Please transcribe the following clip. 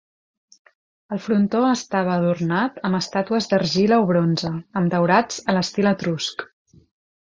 El frontó estava adornat amb estàtues d'argila o bronze, amb daurats a l'estil etrusc.